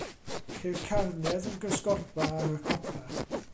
Ceir carnedd yn gysgodfa ar y copa.